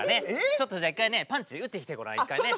ちょっとじゃあ一回ねパンチ打ってきてごらん一回ね。